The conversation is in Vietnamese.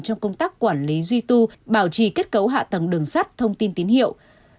trong công tác quản lý duy tu bảo trì kết cấu hạ tầng đường sắt thông tin tín hiệu